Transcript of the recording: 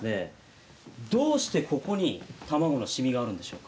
どうしてここに卵の染みがあるんでしょうか。